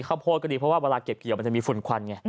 โพดก็ดีเพราะว่าเวลาเก็บเกี่ยวมันจะมีฝุ่นควันไง